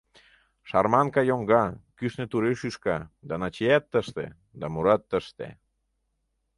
Шарманка йоҥга, кӱшнӧ турий шӱшка, да Начият тыште, да мурат тыште...